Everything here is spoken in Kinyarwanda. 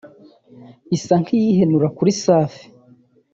” isa nk’iyihenura kuri Safi